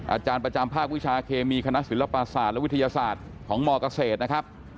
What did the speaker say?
อาจารย์ประจำภาควิชาเคมีคณะศิลปศาสตร์และวิทยาศาสตร์ของมเกษตรนะครับ